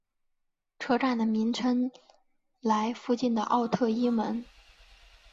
车站的名称来附近的奥特伊门。